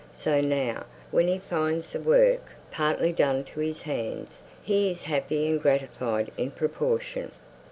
So now, when he finds the work partly done to his hands, he is happy and gratified in proportion."